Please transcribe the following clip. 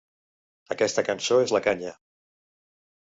Aquesta cançó és la canya.